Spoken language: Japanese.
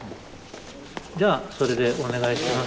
じゃあそれでお願いします。